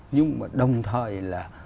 nhưng mà đồng thời là